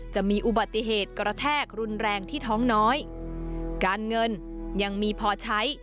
จะมีอุบัติเหตุกระแทกรุนแรงที่ท้องน้อยการเงินยังมีพอใช้